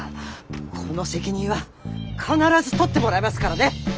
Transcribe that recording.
この責任は必ず取ってもらいますからね。